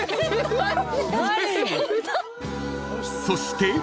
［そして］